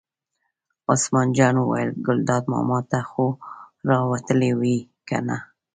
عثمان جان وویل: ګلداد ماما ته خو را وتلې وې کنه.